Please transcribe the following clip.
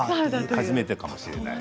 初めてかもしれない。